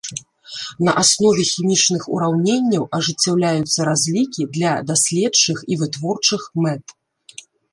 На аснове хімічных ураўненняў ажыццяўляюцца разлікі для даследчых і вытворчых мэт.